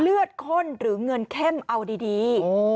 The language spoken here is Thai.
ข้นหรือเงินเข้มเอาดี